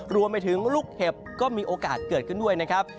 รวมไปถึงลูกเห็บก็มีโอกาสเกิดขึ้นด้วยนะครับ